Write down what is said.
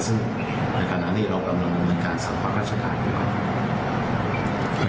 ซึ่งในขณะนี้เรากำลังดำเนินการสั่งพรรคราชการดีกว่า